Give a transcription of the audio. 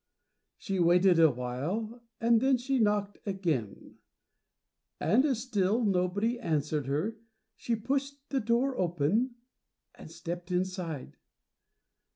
She waited awhile and then she knocked again, and as still nobody answered her she pushed the door open and stepped inside.